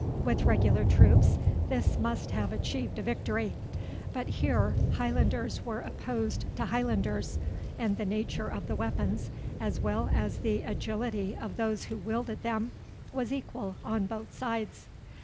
With regular troops this must have achieved a victory; but here Highlanders were opposed to Highlanders, and the nature of the weapons, as well as the agility of those who wielded them, was equal on both sides.